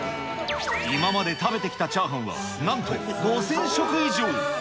今まで食べてきたチャーハンはなんと５０００食以上。